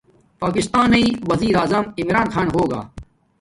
پاکتانݵ ویزاعظم عمران خان ہوگا